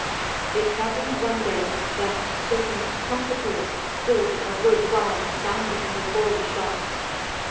It happened one day that certain trumpeters stood a good while sounding before the shop.